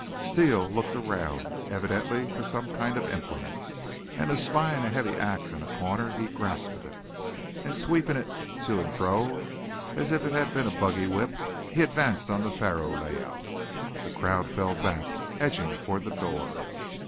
Steele looked around, evidently for some kind of implement, and, espying a heavy ax in a corner, he grasped it, and, sweeping it to and fro as if it had been a buggy whip, he advanced on the faro layout. The crowd fell back, edging toward the door.